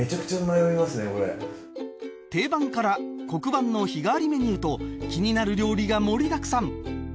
定番から黒板の日替わりメニューと気になる料理が盛りだくさん